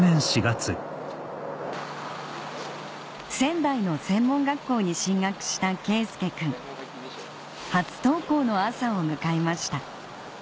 仙台の専門学校に進学した佳祐くん初登校の朝を迎えました